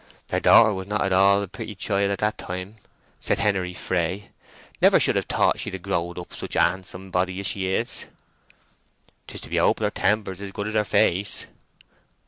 "Their daughter was not at all a pretty chiel at that time," said Henery Fray. "Never should have thought she'd have growed up such a handsome body as she is." "'Tis to be hoped her temper is as good as her face."